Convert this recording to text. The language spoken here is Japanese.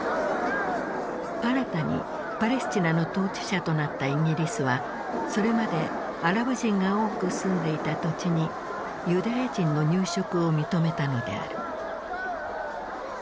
新たにパレスチナの統治者となったイギリスはそれまでアラブ人が多く住んでいた土地にユダヤ人の入植を認めたのである。